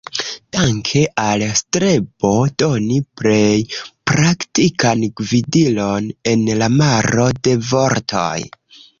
Danke al strebo doni plej praktikan gvidilon en la maro de vortoj.